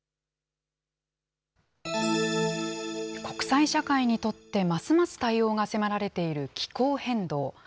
国際社会にとってますます対応が迫られている気候変動。